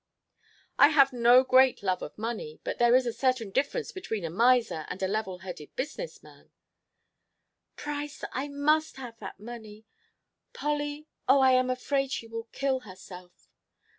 "I have no great love of money, but there is a certain difference between a miser and a levelheaded business man " "Price, I must have that money. Polly oh, I am afraid she will kill herself!"